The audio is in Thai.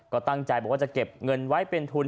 ก็ตั้งใจบอกว่าจะเก็บเงินไว้เป็นทุน